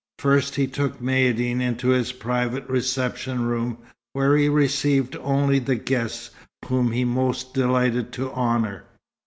First he took Maïeddine into his private reception room, where he received only the guests whom he most delighted to honour.